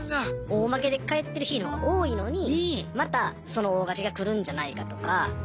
大負けで帰ってる日の方が多いのにまたその大勝ちが来るんじゃないかとか。